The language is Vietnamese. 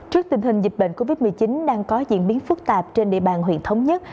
trước tình hình dịch bệnh covid một mươi chín đang có diễn biến phức tạp trên địa bàn huyện thống nhất